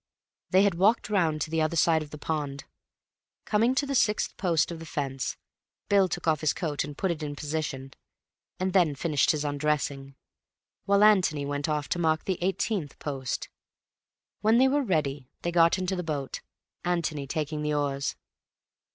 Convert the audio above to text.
They had walked round to the other side of the pond. Coming to the sixth post of the fence, Bill took off his coat and put it in position, and then finished his undressing, while Antony went off to mark the eighteenth post. When they were ready, they got into the boat, Antony taking the oars.